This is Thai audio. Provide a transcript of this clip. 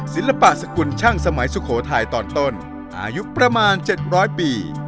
ศิลปะสกุลช่างสมัยสุโขทัยตอนต้นอายุประมาณ๗๐๐ปี